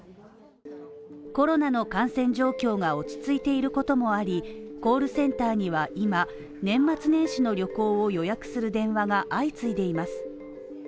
コロナの感染状況が落ち着いていることもあり、コールセンターには今、年末年始の旅行を予約する電話が相次いでいます。